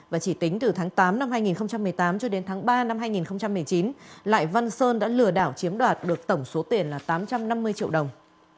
và chỉ tính từ tháng tám năm hai nghìn một mươi tám cho đến tháng ba năm hai nghìn một mươi chín lại văn sơn đã lừa đảo chiếm đoạt được tổng số tiền là tám trăm năm mươi triệu đồng